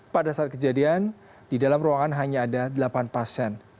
pada saat kejadian di dalam ruangan hanya ada delapan pasien